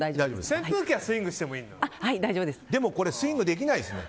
扇風機はスイングしてもいいんだね。